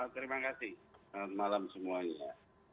terima kasih malam semuanya